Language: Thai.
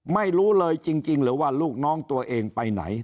ไม่รู้เลยจริงหรือว่าลูกน้องตัวเองไปไหน